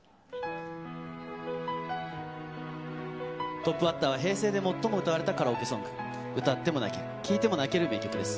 トップバッターは、平成で最も歌われたカラオケソング、歌っても泣ける、聴いても泣ける名曲です。